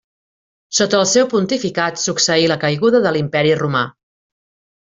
Sota el seu pontificat succeí la Caiguda de l'Imperi Romà.